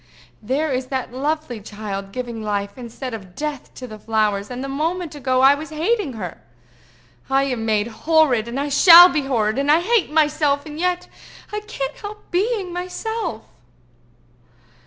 There is that lovely child giving life instead of death to the flowers, and a moment ago I was hating her! I am made horrid, and I shall be horrid, and I hate myself, and yet I can't help being myself!"